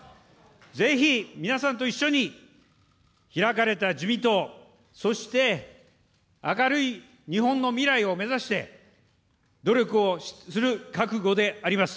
ぜひ皆さんと一緒に、開かれた自民党、そして明るい日本の未来を目指して、努力をする覚悟であります。